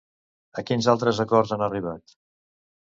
A quins altres acords han arribat?